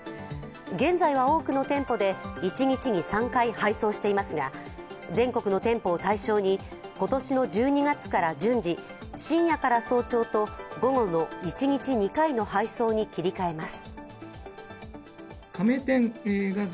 現在は、多くの店舗で一日に３回配送していますが全国の店舗を対象に、今年の１２月から順次、深夜から早朝と午後の一日２回の配送に切り替えます。